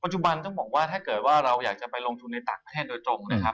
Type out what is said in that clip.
จุบันต้องบอกว่าถ้าเกิดว่าเราอยากจะไปลงทุนในต่างประเทศโดยตรงนะครับ